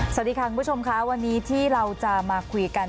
สวัสดีค่ะคุณผู้ชมค่ะวันนี้ที่เราจะมาคุยกัน